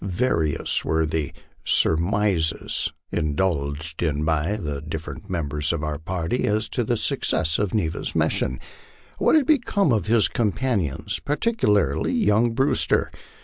Various were the surmi ses indulged in by the different members of our party as to the success of Ne va's mission. What had become of his companions, particularly young Brew ster?